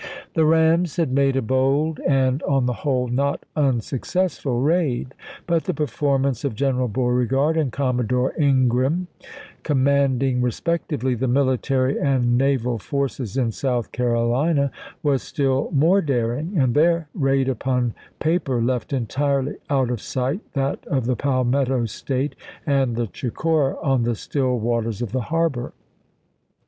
The rams had made a bold and, on the whole, not unsuccessful raid. But the performance of General Beauregard and Commodore Ingraham, command 60 ABRAHAM LINCOLN chap. in. ing respectively the military and naval forces in South Carolina, was still more daring, and their 1863. raid upon paper left entirely out of sight that of the Palmetto State and the Chicora on the still waters of the harbor.